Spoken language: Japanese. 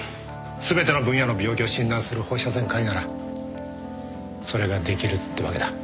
全ての分野の病気を診断する放射線科医ならそれができるってわけだ。